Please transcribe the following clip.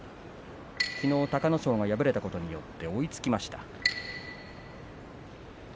きのう、隆の勝が敗れたことによって追いつきました。